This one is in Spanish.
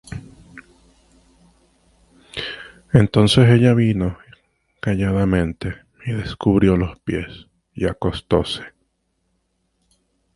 Entonces ella vino calladamente, y descubrió los pies, y acostóse.